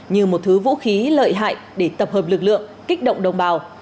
như một thứ vũ khí lợi hại để tập hợp lực lượng kích động đồng bào